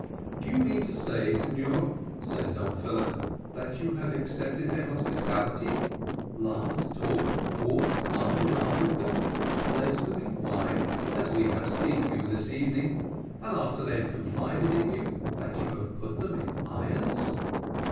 "Do you mean to say, signor," said Don Philip, "that you have accepted their hospitality, laughed, talked, walked arm in arm with them, pledged them in wine, as we have seen you this evening, and after they have confided in you that you have put them in irons?"